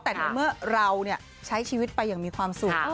แต่ในเมื่อเราใช้ชีวิตไปอย่างมีความสุข